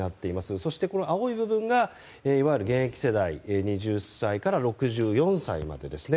そして青い部分がいわゆる現役世代２０歳から６４歳までです。